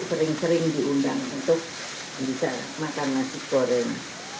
sering sering diundang untuk bisa makan nasi goreng